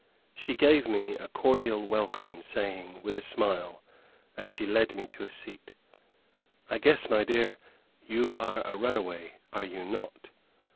She gave me a cordial welcome, saying, with a smile, as she led me to a seat, "I guess, my dear, you are a run a way, are you not?"